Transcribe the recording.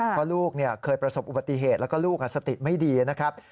เพราะลูกเคยประสบอุบัติเหตุแล้วก็ลูกสติไม่ดีนะครับ